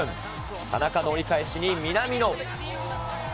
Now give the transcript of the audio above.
田中の折り返しに南野。